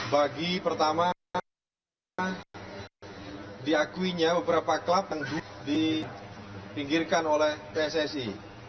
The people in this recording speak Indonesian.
bagi pertama diakuinya beberapa klub yang dipinggirkan oleh pssi